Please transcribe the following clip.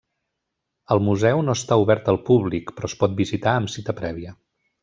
El museu no està obert al públic, però es pot visitar amb cita prèvia.